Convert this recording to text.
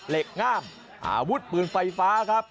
เหล็กงามอาวุธปืนไฟฟ้าครับ